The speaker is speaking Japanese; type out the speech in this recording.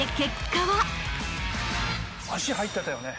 足入ってたよね。